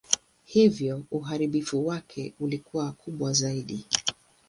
Hivyo uharibifu wake ulikuwa kubwa zaidi.